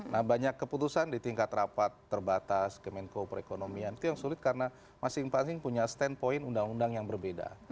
nah banyak keputusan di tingkat rapat terbatas kemenko perekonomian itu yang sulit karena masing masing punya standpoint undang undang yang berbeda